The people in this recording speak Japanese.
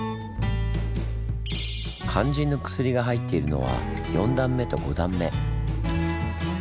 肝心の薬が入っているのは４段目と５段目。